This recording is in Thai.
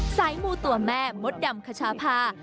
สายมูตัวแม่มดดำขชาพา